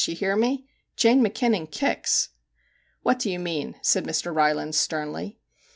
You hear me ! Jane Mackinnon kicks !' 'What do you mean?' said Mr. Rylands sternly.